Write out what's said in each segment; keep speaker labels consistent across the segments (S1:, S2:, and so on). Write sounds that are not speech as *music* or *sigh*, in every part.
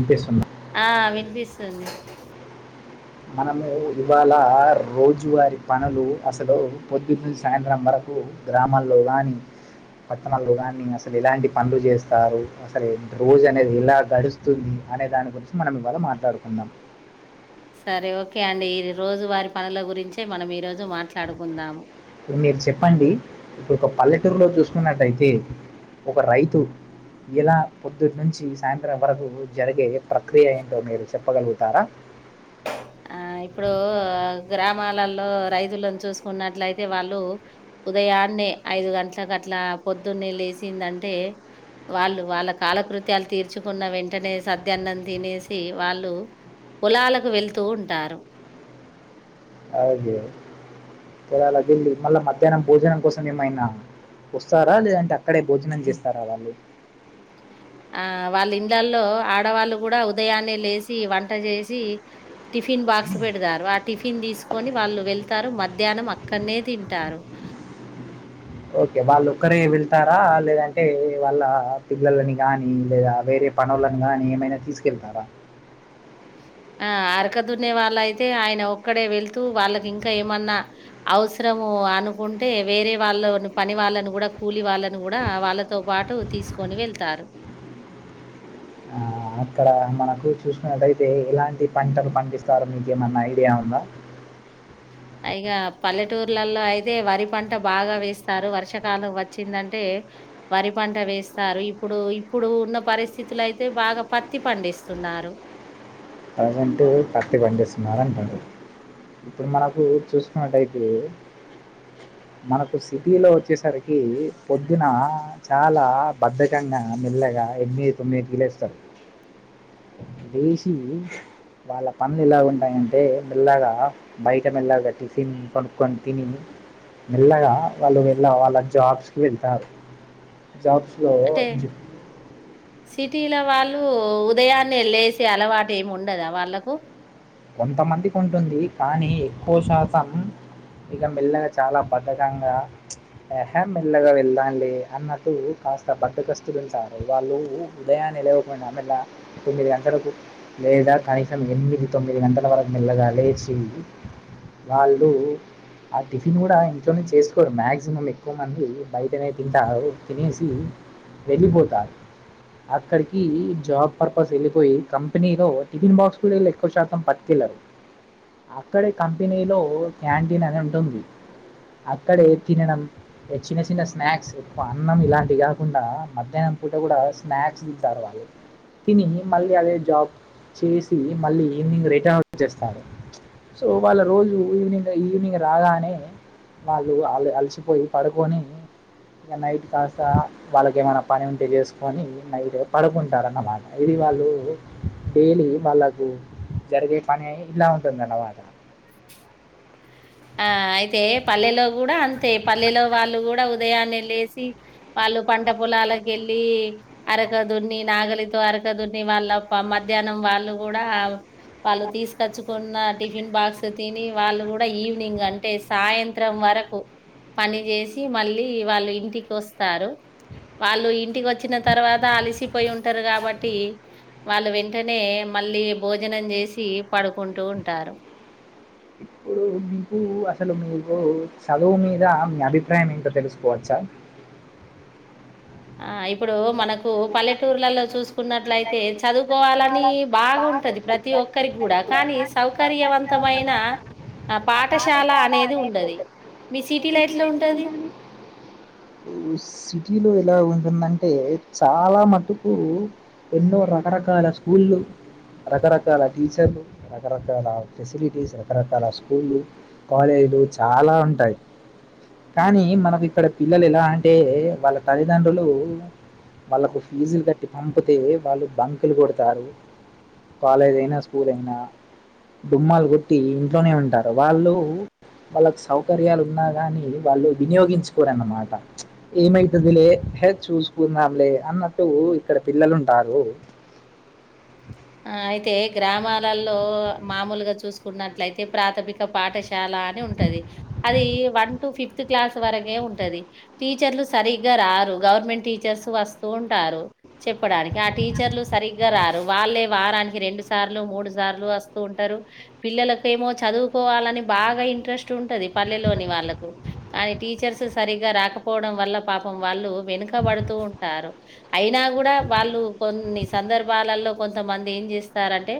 S1: వినిపిస్తున్నా
S2: ఆ విన్పిస్ స్తుంది
S1: మనము ఇవాళ రోజువారి పనులు, అసలు పొద్దున్నంచి సాయంత్రం వరకు గ్రామాల్లో కానీ, పట్టణాల్లో కానీ, అసలు ఎలాంటి పనులు చేస్తారు. అసలు రోజు అనేది ఎలా గడుస్తుంది అనే దాని గురించి మనం ఇవాళ మాట్లాడుకుందాం.
S2: సరే ఓకే అండి ఈ రోజు వారి పనుల గురించే మనం ఈ రోజు మాట్లాడుకుందాం.
S1: ఇప్పుడు మీరు చెప్పండి. ఇప్పుడు ఒక పల్లెటూరులో చూసుకున్నట్టయితే, ఒక రైతు ఇలా పొద్దుటి నుంచి సాయంత్రం వరకు జరిగే ప్రక్రియ ఏంటో మీరు చెప్పగలుగుతారా.
S2: ఆ ఇప్పుడు గ్రామాలలో రైతులను చూసుకున్నట్లయితే వాళ్ళు, ఉదయాన్నే ఐదు గంటలలకుట్ల పొద్దున్నే లేచిందంటే, వాళ్ళు వాళ్ళ కాలకృత్యాలు తీర్చుకున్న వెంటనే సద్యాన్నం తినేసి వాళ్ళు పొలాలకు వెళ్తూ ఉ టారు
S1: అదే అలా వెళ్ళి మళ్ళా మధ్యాహ్నం భోజనం కోసం ఏమైనా, వస్తారా లేదంటే అక్కడే భోజనం చేస్తారా వాళ్ళు
S2: ఆ వాళ్ళ ఇండ్లలో ఆడవాళ్ళు కూడా ఉదయాన్నే లేచి వంట చేసి టిఫిన్ బాక్స్ పెడతారు ఆ టిఫిన్ తీ కొని వాళ్ళు వెళ్తారు మధ్యాహ్నం అక్కడనే తింటారు
S1: ఓకే వాళ్ళ ఒక్కరే వెళ్తారా, లేదంటే వాళ్ళ పిల్లలని కాని లేదా వేరే పనువులను గాని ఏమైనా తీసుకెళ్తారా
S2: ఆ అరకదున్నే వాళ్ళ అయితే ఆయన ఒక్కడే వెళ్తూ, వాళ్ళకి ఇంకా ఏమన్నా, అవసరము అనుకుంటే వేరే వాళ్ళ పని వాళ్ళను కూడా కూలి వాళ్ళని కూడా వాళ్ళతో పాటు తీసుకొని వెళ్తారు.
S1: ఆహ్, అక్కడ మనకు చూసుకున్నట్టయితే, ఎలాంటి పంటలు పండిస్తారో మీకు ఏమన్నా ఐడియా ఉందా
S2: ఇగ పల్లెటూర్లలో అయితే వరి పంట బాగా వేస్తారు, వర్షాకాలం వచ్చిందంటే, వరి పంట వేస్తారు, ఇప్పుడు ఇప్పుడు ఉన్న పరిస్థితులు అయితే బాగా పత్తి పండిస్తున్నారు.
S1: ప్రజెంట్ పత్తి పండిస్తున్నారు అంటుండ్రు, ఇప్పుడు మనకు చూసుకున్నట్టయితే, మనకు సిటీలో వచ్చేసరికి పొద్దున చాలా బద్ధకంగా మెల్లగా ఎనిమిది తొమ్మిది గి లేస్తం లేసి వాళ్ళ పన్నలు ఎలా ఉంటాయంటే, మెల్లగా బయట మెల్లగా టిఫిన్ కొనుక్కొని తిని మెల్లగా వాళ్ళు మెల్ల వాళ్ళ జబ్స్కి వెళ్తారు. జాబ్సులో
S2: అంటే సిటీల వాళ్ళు ఉదయాన్నే లేసి అలవాటు ఏమి ఉండదా వాళ్ళకు
S1: కొంతమందికి ఉంటుంది, కానీ ఎక్కువ శాతం ఇక మెల్లగా చాలా బద్ధకంగాహ మెల్లగా వెళ్దాంలే అన్నట్టు కాస్త బధకస్తుడు ఉంటారు, వాళ్ళు ఉదయాన్న లేవకుండా మెల్ల తొమ్మిది గంటలకు లేదా కనీసం ఎనిమిది తొమ్మిది గంటల వరకు మెల్లగా లేచి, వాళ్ళు ఆ టిఫిన్ కూడా ఇంట్లోనే చేసుకోరు మ్యాక్సిమం ఎక్కువ మంది బయటనే తింటారు, తినేసి వెళ్ళిపోతారు, అక్కడికి జాబ్ పర్పస్ వెళ్ళిపోయి కంపెనీలో టిఫిన్ బాక్స్ కూడా వెళ్ళ ఒక్కవ శాతం పట్టుకెళ్ళరు, అక్కడే కంపెనీలో క్యాంటీన్ అనే ఉంటుంది, అక్కడే తినడం చిన్న చిన్న స్నాక్స్ ఎక్కువ అన్నం ఇలాంటివి కాకుండా, మధ్యాహ్నం పూట కూడా స్నాక్స్ దిద్దారు వాళ్ళు తిని మళ్ళీ అదే జాబ్ చేసి మళ్ళీ ఈవినింగ్ రిటర్న్ వచేస్తారు, సో వాళ్ళ రోజు ఈవినింగ్ ఈవినింగ్ రాగానే వాళ్ళు అళ అలసిపోయి పడుకొని, ఇక నైట్ కాస్త వాళ్ళకి ఏమైనా పని ఉంటే చేసుకొని నైట్ పడుకుంటారు అన్నమాట, ఇది వాళ్ళు డైలీ వాళ్ళకు జరిగే పని ఇలా ఉంటుంది అన్నమాట
S2: ఆ అయితే పల్లెలో కూడా అం ఐతే పల్లెలో వాళ్ళు కూడా ఉదయాన్నే లేసి, వాళ్ళు పంట పొలాలకు వెళ్ళి, అరకదున్ని నాగలితో అరకదున్ని, వాళ్ళ మధ్యాహ్నం వాళ్ళు కూడా వాళ్ళు తీసుకొచ్చుకున్న టిఫిన్ బాక్స్ తిని వాళ్ళు కూడా ఈ ఈనింగ్ అంటే సాయంత్రం వరకు పని చేసి మళ్ళీ వాళ్ళు ఇంటికి వస్తారు, వాళ్ళు ఇంటికి వచ్చిన తర్వాత అలిసిపోయి ఉంటారు కాబట్టి, వాళ్ళు వెంటనే మళ్ళీ భోజనం చేసి పడుకుంటూ ఉంటారు.
S1: ఇప్పుడు మీకు అసలు మీకు చదువు మీద మీ అభిప్రాయం ఏంటో తెలుసుకోవచ్చా
S2: ఆ ఇ ఇప్పుడు మనకు పల్లె టూర్లలో చూసుకున్నట్లయితే చదువుకోవాల కూని బాగ ప్రతి ఒక్కరికి కూడా కానీ సౌకర్యవంతమైన ఆ పాఠశాల అనేది ఉండది మీ సిటీలో ఎట్లా ఉంటది
S1: ఈ సిటీలో ఇలా ఉంటుందంటే చాలా మటుకు ఎన్నో రకరకాల స్కూలు రకరకాల టీచర్లు రకరకాల ఫెసిలిటీస్ రకరకాల స్కూళ్లు కాలేజీలు చాలా ఉంటాయి కానీ మనవి ఇక్కడ పిల్లలు ఎలా అంటే వాళ్ళ తల్లిదండ్రులు వాళ్ళకు ఫీజులు కట్టి పంపితే వాళ్ళు బంకులు కొడతారు కాలేజ్ అయినా స్కూల్ అయినా డుమ్మాలు కొట్టి ఇంట్లోనే ఉంటా వాళ్ళు వాళ్ళకు సౌకర్యాలు ఉన్నా గాని వాళ్ళు వినియోగించుకోరన్నమాట ఏమైతది లే హే చూసుకుందాంలే అన్నట్టు ఇక్కడ పిల్లలు ఉంటారు
S2: ఆ అయితే గ్రామాలల్లో మామూలుగా చూసుకున్నట్లయితే ప్రాథమిక పాఠశాల అని ఉంటది అది వన్ టు ఫిఫ్త్ క్లాస్ వరకే ఉంటది టీచర్లు సరిగ్గా రారు గవర్నమెంట్ టీచర్స్ వస్తూ ఉంటారు చెప్పడానికి ఆ టీచర్లు సరిగ్గా రారు వాళ్లే వారానికి రెండు సార్లు మూడు సార్లు వస్తూ ఉంటారు పిల్లలకు ఏమో చదువుకోవాలని బాగా ఇంట్రెస్ట్ ఉంటది పల్లెలోని వాళ్ళకు కానీ టీచర్స్ సరిగా రాకపోవడం వల్ల పాపం వాళ్ళు వెనుకబడుతూ ఉంటారు అయినా కూడా వాళ్ళు కొన్ని సందర్భాలలో కొ తమంది ఏం చేస్తారంటే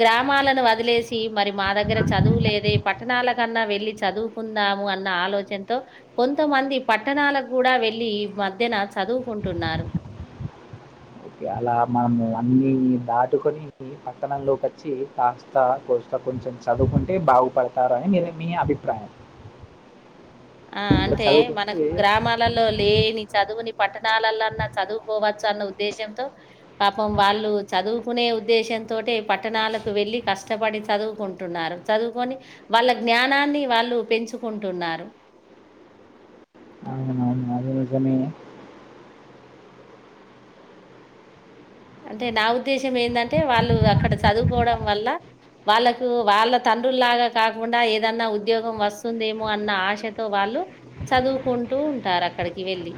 S2: గ్రామాలను వదిలేసి మరి మా దగ్గర చదువులేదే పట్టణాల కన్నా వెళ్ళి చదువుకుందాము అన్న ఆలోచనతో కొంతమంది పట్టణాలకు కూడా వెళ్ళి మధ్యన చదువుకుంటున్నారు
S1: ఓకే. అలా మనం అన్నీ దాటుకొని పట్టణంలోకి వచ్చి కాస్త కోస్త కొంచెం చదువుకుంటే బాగుపడతారు అని మీ మీ అభిప్రాయం
S2: ఆ అంటే మనకు గ్రామాలలో లేని చదువుని పట్టణాలలోన్నా చదువుకోవచ్చు అన్న ఉద్దేశంతో పాపం వాళ్ళు చదువుకునే ఉద్దేశంతోటే పట్టణాలకు వెళ్ళి కష్టపడి చదువుకుంటున్నారు చదువుకొని వాళ్ళ జ్ఞానాన్ని వాళ్ళు పెంచుకుంటున్నారు
S1: అవువును అది నిజమే
S2: అంటే నా ఉద్దేశం ఏందంటే వాళ్ళు అక్కడ సదువుకోవడం వల్ల వాళ్ళకు వాళ్ళ తండ్రుల్లాగా కాకుండా ఏదన్నా ఉద్యోగం వస్తుందేమో అన్న ఆశతో వాళ్ళు చదువుకుంటూ ఉంటారు అక్కడికి వెళ్ళి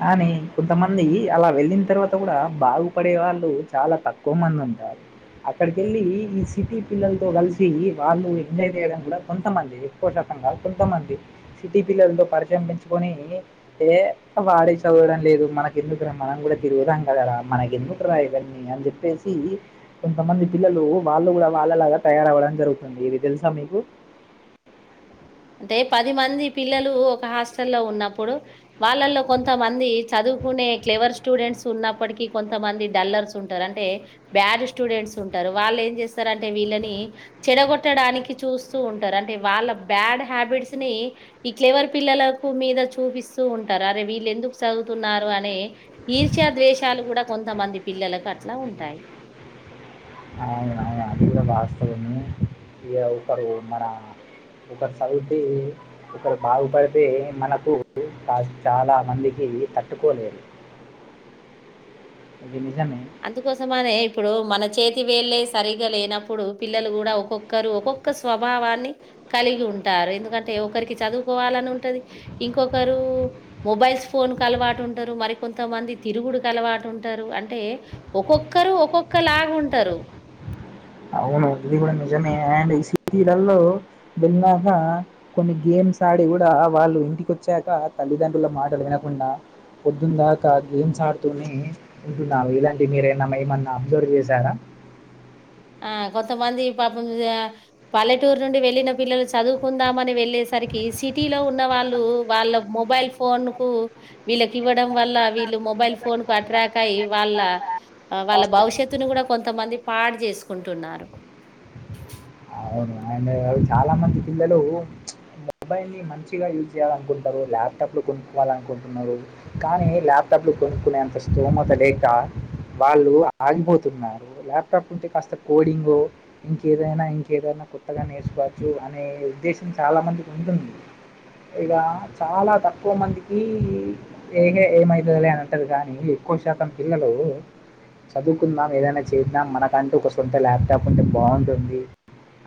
S1: కానీ కొంతమంది అలా వెళ్ళిన తర్వాత కూడా బాగుపడే వాళ్ళు చాలా తక్కువ మంది ఉంటారు అక్కడికెళ్ళి ఈ సిటీ పిల్లలతో కలిసి వాళ్ళు ఎంజాయ్ చేయడం కూడా కొంతమంది ఎక్కువ శాతం కాదు కొంతమంది సిటీ పిల్లలతో పరిచయం పెంచుకొనీ ఏ అ వాడే చదవడం లేదు మనకి ఎందుకు రా మనం కూడా తిరుగుదాం కదరా మనకి ఎందుకు రా ఇవన్నీ అని చెప్పేసి కొంతమంది పిల్లలు వాళ్ళు కూడా వాళ్ళలాగా తయారవ్వడం జరుగుతుంది ఇది తెలుసా మీకు
S2: అంటే పది మంది పిల్లలు ఒక హాస్టల్లో ఉన్నప్పుడు వాళ్ళల్లో కొంతమంది చదువుకునే క్లెవర్ స్టూడెంట్స్ ఉన్నప్పటికీ కొంతమంది డల్లర్స్ ఉంటారు అంటే బ్యాడ్ స్టూడెంట్స్ ఉంటారు వాళ్ళు ఏం చేస్తారు అంటే వీళ్ళని చెడగొట్టడానికి చూస్తూ ఉంటారు అంటే వాళ్ళ బ్యాడ్ హ్యాబిట్స్ ని ఇట్లెవరు పిల్లలకు మీద చూపిస్తూ ఉంటారు అరే వీళ్ళు ఎందుకు చదువుతున్నారు అనే ఈర్ష్యా ద్వేషాలు కూడా కొంతమంది పిల్లలకు అట్లా ఉంటాయి
S1: అవునవును అందులో వాస్తవుని ఇక ఒకరు మన ఒకరు చదువితె ఒకరు బాగుపడితే మనకు కా చాలా మందికి తట్టుకోలేరు ఇది నిజమే
S2: అందుకోసమనే ఇప్పుడు మన చేతి వేళ్ళే సరిగ్గా లేనప్పుడు పిల్లలు కూడా ఒక్కొక్కరు ఒక్కొక్క స్వభావాన్ని కలిగి ఉంటారు ఎందుకంటే ఒకరికి చదువుకోవాలని ఉంటది ఇంకొకరు మొబైల్స్ ఫోన్స్కు అలవాటు ఉంటారు మరికొంతమంది తిరుగుడుకి అలవాటు ఉంటారు అంటే ఒక్కొక్కరు ఒక్కొక్క లాగా ఉంటరు
S1: అవును ఇది కూడా నిజమే అండ్ ఈ *inaudible* లలో వెళ్ళాక కొన్ని గేమ్స్ ఆడి కూడా వాళ్ళు ఇంటికి వచ్చాక తల్లిదండ్రుల మాటలు వినకుండా పొద్దున్న దాకా గేమ్స్ ఆడుతూనే ఉంటున్నారు ఇలాంటి మీరేమనా ఏమన్నా అబ్జర్వ్ చేశారా
S2: ఆ కొంతమంది పాపం పల్లెటూరు నుండి వెళ్ళిన పిల్లలు చదువుకుందామని వెళ్ళేసరికి సిటీలో ఉన్న వాళ్ళు వాళ్ళ మొబైల్ ఫోన్ కు వీళ్ళకి ఇవ్వడం వల్ల వీళ్ళు మొబైల్ ఫోన్ కు అట్రాక్ అయి వాళ్ళ వాళ్ళ భవిష్యత్తుని కూడా కొంతమంది పాడు చేసు కుంటున్నారు
S1: అవును అండ్ చాలా మంది పిల్లలు మొబైల్ని మంచిగా యూజ్ చేయాల అనుకుంటారు, ల్యాప్టాప్ లో కొనుక్కోవాల అనుకుంటున్నారు, కానీ ల్యాప్టాప్ లో కొనుక్కునేంత స్తోమత లేక, వాళ్ళు ఆగిపోతున్నారు ల్యాప్టాప్ ఉంటే కాస్త కోడింగ్ ఇంకేదైనా ఇం ఏదనా కొత్తగా నేర్చుకోవచ్చు అనే ఉద్దేశం చాలామందికి ఉంటుంది ఇక చాలా తక్కువ మందికి ఏనె ఏమయితదిలే అని అంటారు కానీ ఎక్కువ శాతం పిల్లలు చదువుకుందాం ఏదైనా చేద్దాం మనకంటూ ఒక సొంత ల్యాప్టాప్ ఉంటే బాగుంటుంది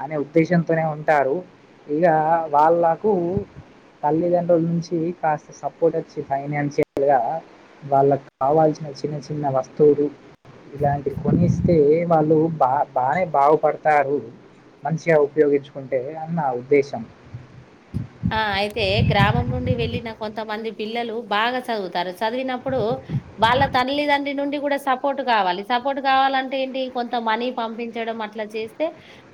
S1: అనే ఉద్దేశంతోనే ఉంటారు ఇక వాళ్ళకు తల్లిదండ్రుల నుంచి కాస్త సపోర్ట్ వచ్చి ఫైనాన్షియల్గా వాళ్ళకు కావాల్సిన చిన్న చిన్న వస్తువులు ఇలాంటివి కొనిస్తే వాళ్ళు బా బానే బాగుపడతారు మంచిగా ఉపయోగించుకుంటే అని నా ఉద్దేశం
S2: ఆ అయితే గ్రామం నుండి వెళ్ళిన కొంతమంది పిల్లలు బాగా చదువుతారు. చదివినప్పుడు వాళ్ళ తల్లిదం నుండి కూడా సపోర్ట్ కావాలి, సపోర్ట్ కావాలంటే ఏంటి కొంత మనీ పంపించడం అట్లా చేస్తే,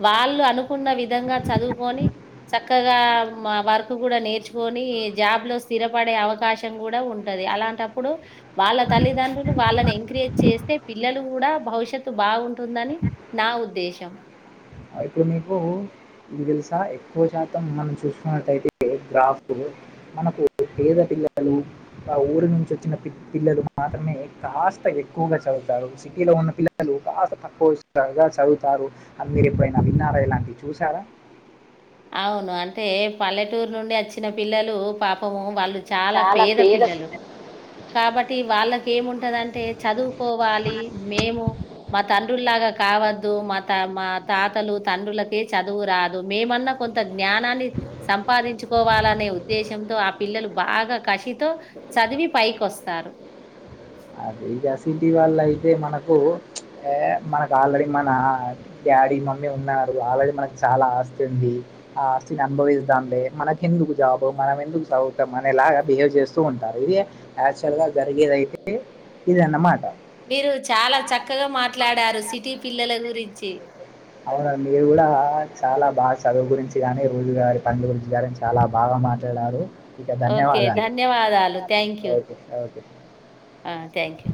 S2: వాళ్ళు అనుకున్న విధంగా చదువుకొని చక్కగా మా వర్క్ కూడా నేర్చుకొని జాబ్ లో స్థిరపడే అవకాశం కూడా ఉంటది, అలాంటప్పుడు వాళ్ళ తల్లిదండ్రులు వాళ్ళని ఎంకరేజ్ చేస్తే పిల్లలు కూడా భవిష్యత్తు బాగుంటుందని నా ఉద్దేశం
S1: ఇప్పుడు నీకు ఇది తెలుసా ఎక్కువ శాతం మనం చూసుకున్నట్టయితే ఏ గ్రాఫ్ మనకు పేద పిల్లలు ఆ ఊరి నుంచి వచ్చిన పిల్లలు మాత్రమే కాస్త ఎక్కువగా చదువుతారు, సిటీలో ఉన్న పిల్లలు కాస్త తక్కువగా చదువుతారు, అందరి నారాయణ చూసారా
S2: అవును అంటే పల్లెటూరు నుండి వచ్చిన పిల్లలు పాపము వాళ్ళు చాలా పేద పిల్లలు కాబట్టి వాళ్ళకి ఏముంటదంటై చదువుకోవాలి మేము మా తండ్రులాగా కావద్దు మా త మా తాతలు తండ్రులకె చదువు రాదు మేమన్నా కొంత జ్ఞానాన్ని సంపాదించుకోవాలనే ఉద్దేశంతో ఆ పిల్లలు బాగా కషితో చదివి పైకొస్తారు
S1: అది ఇక సిటీ వల్ల అయితే మనకు మనకు ఆల్రెడీ మన డాడీ మమ్మీ ఉన్నారు ఆల్రెడీ మనకు చాలా ఆస్తి ఉంది ఆ ఆస్తిని అనుభవిస్తాంలే మనకు ఎందుకు జాబు మనం ఎందుకు చదువుతాం అనే లాగా బిహేవ్ చేస్తూ ఉంటారు ఇది యాక్చువల్గా జరిగేదైతే ఇదన్న మాట
S2: మీరు చాలా చక్కగా మాట్లాడారు సిటీ పిల్లల గురించి
S1: అవున మీరు కూడా చాలా బాగా చదువు గురించి కానీ రోజుగారి పనులు గురించి కానీ చాలా బాగా మాట్లాడారు ఇక
S2: ఓకే
S1: ధన్యవాదాలు
S2: ధన్యవాదాలు thank you
S1: okay okay
S2: thank you